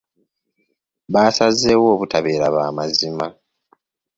Basazeewo obutabeera baamazima.